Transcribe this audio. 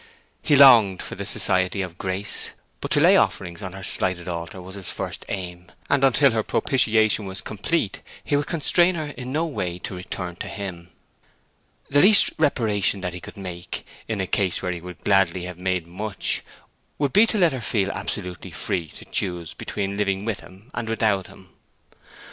He longed for the society of Grace. But to lay offerings on her slighted altar was his first aim, and until her propitiation was complete he would constrain her in no way to return to him. The least reparation that he could make, in a case where he would gladly have made much, would be to let her feel herself absolutely free to choose between living with him and without him.